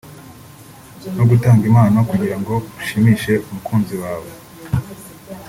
no gutanga impano kugira ngo ushimishe umukunzi wawe